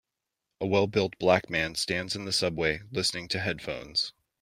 A well built black man stands in the subway, listening to headphones.